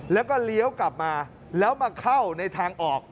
แล้วก็เลี้ยวกลับมาแล้วมาเข้าในทางออก